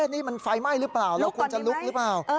นี่มันไฟไหม้หรือเปล่าแล้วควรจะลุกหรือเปล่า